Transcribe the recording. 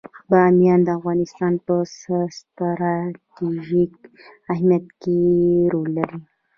بامیان د افغانستان په ستراتیژیک اهمیت کې رول لري.